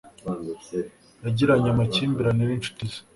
Yagiranye amakimbirane n'inshuti ze.